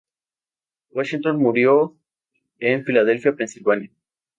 Washington murió en Filadelfia, Pennsylvania.